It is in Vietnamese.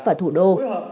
và thủ đô